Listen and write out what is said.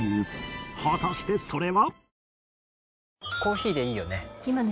果たしてそれは？